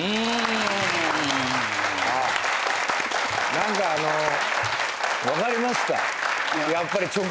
何かあのう分かりました。